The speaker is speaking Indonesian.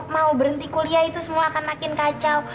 mau berhenti kuliah itu semua akan makin kacau